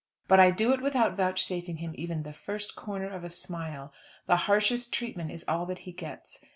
But I do it without vouchsafing him even the first corner of a smile. The harshest treatment is all that he gets.